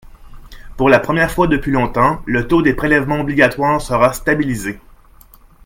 Pour la première fois depuis longtemps, le taux des prélèvements obligatoires sera stabilisé.